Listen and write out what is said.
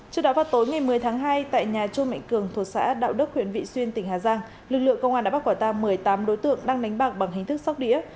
trước đó vào tối ngày một mươi tháng hai tại nhà chu mạnh cường thuộc xã đạo đức huyện vị xuyên tỉnh hà giang lực lượng công an đã bắt quả tang một mươi tám đối tượng đang đánh bạc bằng hình thức sóc đĩa